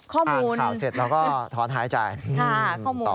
ข้อมูลอ่านข่าวเสร็จแล้วก็ถอนหายใจต่อค่ะข้อมูล